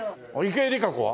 池江璃花子は？